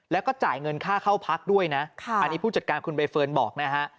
แล้วก็จ่ายเงินค่าเข้าพักด้วยนะอันนี้ผู้จัดการคุณใบเฟิร์นบอกนะฮะ